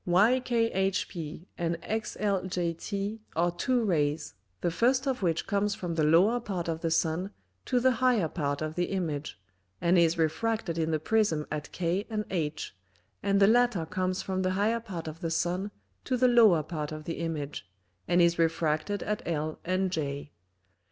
YKHP and XLJT are two Rays, the first of which comes from the lower part of the Sun to the higher part of the Image, and is refracted in the Prism at K and H, and the latter comes from the higher part of the Sun to the lower part of the Image, and is refracted at L and J.